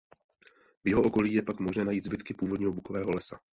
V jeho okolí je pak možné najít zbytky původního bukového lesa.